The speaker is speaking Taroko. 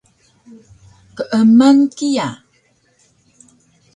Keeman kiya